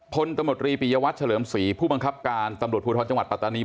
พลตำรวจรีปียวัตรเฉลิมศรีผู้บังคับการตำรวจภูทรจังหวัดปัตตานี